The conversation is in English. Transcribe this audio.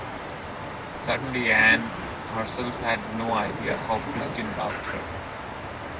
Certainly Anne herself had no idea how Christine loved her.